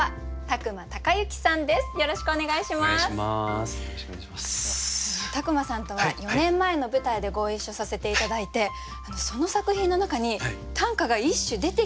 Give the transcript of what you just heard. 宅間さんとは４年前の舞台でご一緒させて頂いてその作品の中に短歌が１首出てきたんですよ。